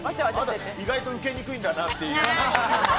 意外と受けにくいんだなという。